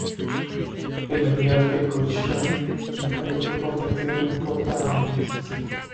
El "Almirante Cochrane", en cambio, fue convertido en un portaaviones.